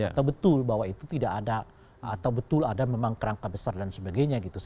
atau betul bahwa itu tidak ada atau betul ada memang kerangka besar dan sebagainya gitu